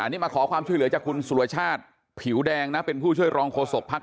นี่มาขอความช่วยเหลือจากคุณสุรชาติผิวแดงนะเป็นผู้ช่วยรองโฆษกภักดิ